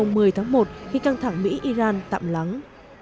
ngày một mươi tháng một khi căng thẳng mỹ iran tạm lắng